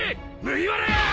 麦わら屋！